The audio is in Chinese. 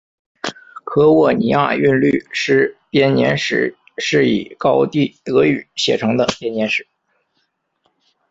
利沃尼亚韵律诗编年史是以高地德语写成的编年史。